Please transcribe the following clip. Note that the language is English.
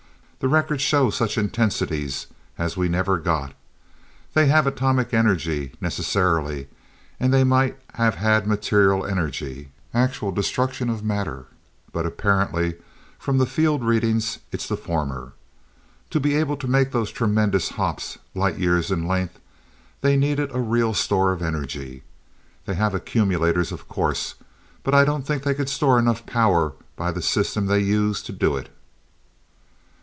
These records show such intensities as we never got. They have atomic energy, necessarily, and they might have had material energy, actual destruction of matter, but apparently, from the field readings it's the former. To be able to make those tremendous hops, light years in length, they needed a real store of energy. They have accumulators, of course, but I don't think they could store enough power by the system they use to do it."